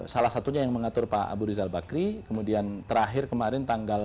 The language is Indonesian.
salah satunya yang mengatur pak abu rizal bakri kemudian terakhir kemarin tanggal